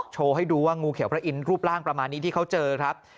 โชว์ให้ดูว่างูเขียวพระอินทร์รูปร่างประมาณนี้ที่เขาเจอครับ